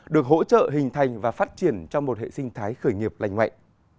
được hỗ trợ hình thành và phát triển trong một hệ sinh thái khởi nghiệp lành mạnh